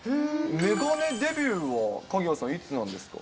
メガネデビューは鍵谷さん、いつなんですか？